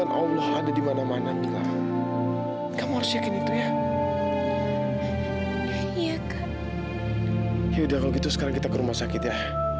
yaudah kalau gitu sekarang kita ke rumah sakit ya